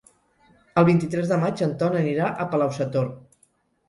El vint-i-tres de maig en Ton anirà a Palau-sator.